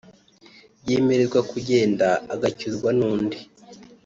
yemererwa kugenda agucyurwa n’undi